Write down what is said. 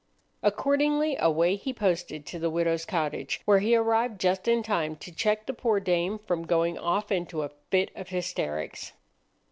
Accordingly, away he posted to the widow's cottage, where he arrived just in time to check the poor dame from going off into a fit of hysterics.